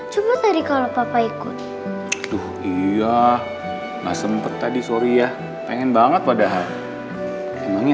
cuma tadi kalau papa ikut tuh iya nah sempet tadi sore ya pengen banget padahal emangnya